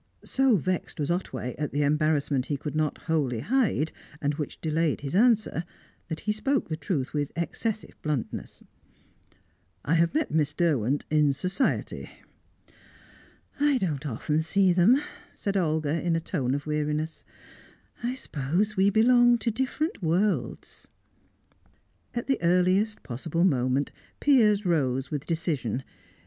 So vexed was Otway at the embarrassment he could not wholly hide, and which delayed his answer, that he spoke the truth with excessive bluntness. "I have met Miss Derwent in society." "I don't often see them," said Olga, in a tone of weariness. "I suppose we belong to different worlds." At the earliest possible moment, Piers rose with decision.